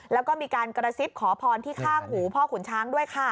แล้วก็มีการกระซิบขอพรที่ข้างหูพ่อขุนช้างด้วยค่ะ